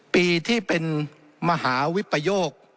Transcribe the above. ปีที่เป็นมหาวิปโยค